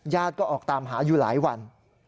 ก็ออกตามหาอยู่หลายวัน